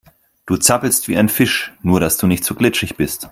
Du zappelst wie ein Fisch, nur dass du nicht so glitschig bist.